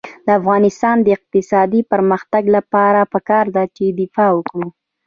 د افغانستان د اقتصادي پرمختګ لپاره پکار ده چې دفاع وکړو.